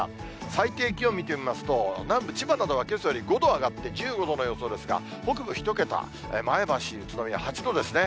最低気温見てみますと、南部、千葉などはけさより５度上がって１５度の予想ですが、北部１桁、前橋、宇都宮８度ですね。